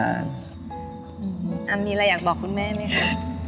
อามีอะไรอยากบอกคุณแม่ไหมคะ